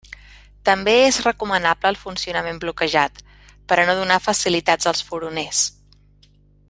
També és recomanable el funcionament bloquejat per a no donar facilitats als furoners.